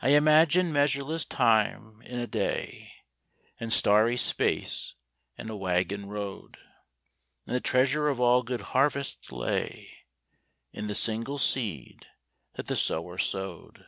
I imagined measureless time in a day, And starry space in a waggon road, And the treasure of all good harvests lay In the single seed that the sower sowed.